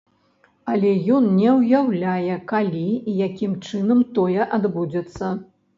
Але ён не ўяўляе калі і якім чынам тое адбудзецца.